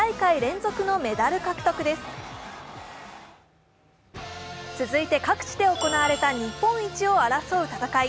続いて、各地で行われた日本一を争う戦い。